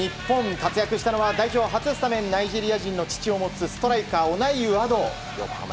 活躍したのは代表初スタメンナイジェリア人の父を持つストライカー、オナイウ阿道。